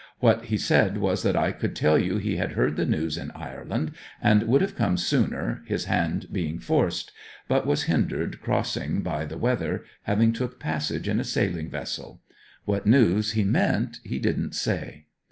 What he said was that I could tell you he had heard the news in Ireland, and would have come sooner, his hand being forced; but was hindered crossing by the weather, having took passage in a sailing vessel. What news he meant he didn't say.'